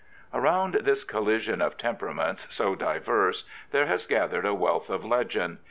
Around this collision of temperaments so diverse there has gathered a wealth of legend.